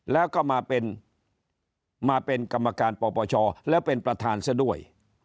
แล้วก็มาเป็นมาเป็นกรรมการปปชแล้วเป็นประธานซะด้วย